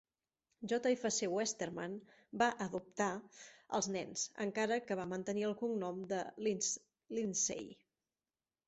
J F C Westerman va "adoptar" els nens, encara que van mantenir el cognom de Lindsaye.